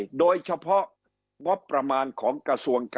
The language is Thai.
แต่ทำไมไปดูงบค่าใช้จ่ายบางส่วนยังน่าตกใจ